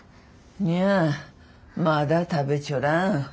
いやまだ食べちょらん。